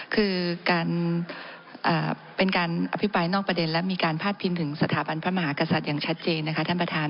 คือการเป็นการอภิปรายนอกประเด็นและมีการพาดพิงถึงสถาบันพระมหากษัตริย์อย่างชัดเจนนะคะท่านประธาน